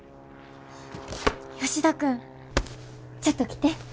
吉田君ちょっと来て。